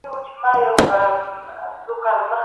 چېرته د کوم سمندر څنډه ښيي